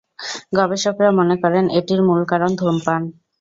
গবেষকরা মনে করেন এটির মূল কারণ ধূমপান।